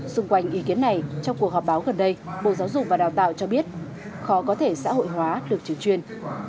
xung quanh ý kiến này trong cuộc họp báo gần đây bộ giáo dục và đào tạo cho biết khó có thể xã hội hóa được trường chuyên